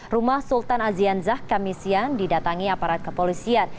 rumah sultan azian shah kamisian didatangi aparat kepolisian